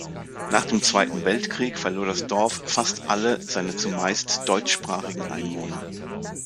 Nach dem Zweiten Weltkrieg verlor das Dorf fast alle seiner zumeist deutschsprachigen Einwohner.